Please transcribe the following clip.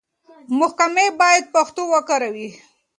محکمې بايد پښتو وکاروي.